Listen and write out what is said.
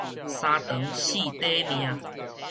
三長四短命